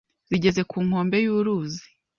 Zigeze ku nkombe y’uruzi,